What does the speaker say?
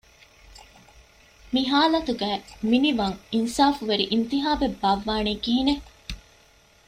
މި ހާލަތުގައި މިނިވަން އިންސާފުވެރި އިންތިޚާބެއް ބާއްވާނީ ކިހިނެއް؟